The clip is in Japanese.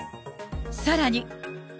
さらに。